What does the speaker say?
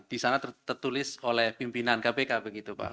di sana tertulis oleh pimpinan kpk begitu pak